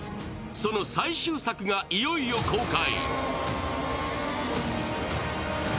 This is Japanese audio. その最終作がいよいよ公開。